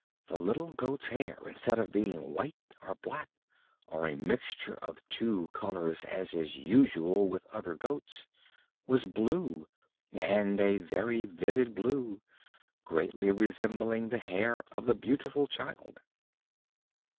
The little goat's hair, instead of being white or black, or a mixture of two colors as is usual with other goats, was blue, and a very vivid blue, greatly resembling the hair of the beautiful Child.